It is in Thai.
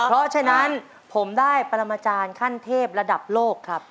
เพราะฉะนั้นผมได้ปรมาจารย์ขั้นเทพระดับโลกครับ